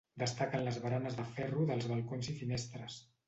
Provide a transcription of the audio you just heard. Destaquen les baranes de ferro dels balcons i finestres.